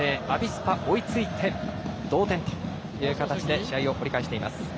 アビスパ追いついて同点という形で試合を折り返しています。